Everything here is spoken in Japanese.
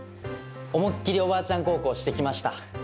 思いっ切りおばあちゃん孝行して来ました。